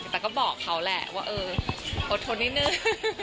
แต่ก็บอกเขาแหละว่าเอออดทนนิดนึง